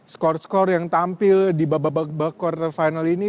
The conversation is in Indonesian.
skor skor yang tampil di babak babak bak quarter final ini